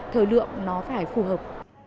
thời lượng nó phải phù hợp